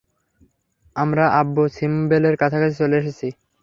আমরা আবু সিম্বেলের কাছাকাছি চলে এসেছি!